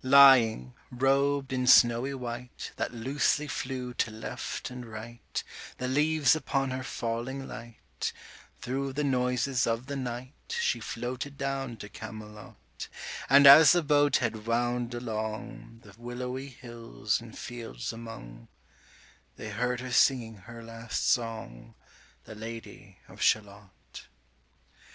135 Lying, robed in snowy white That loosely flew to left and right— The leaves upon her falling light— Thro' the noises of the night She floated down to Camelot: 140 And as the boat head wound along The willowy hills and fields among, They heard her singing her last song, The Lady of Shalott.